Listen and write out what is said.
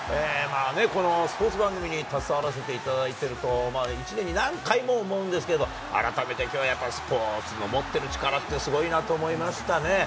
このスポーツ番組に携わらせていただいていると、１年に何回も思うんですけど、改めてきょうはやっぱり、スポーツの持ってる力ってすごいなと思いましたね。